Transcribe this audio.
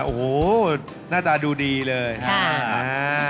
โอ้โหหน้าตาดูดีเลยครับ